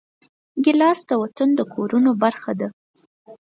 ګیلاس د وطن د کورونو برخه ده.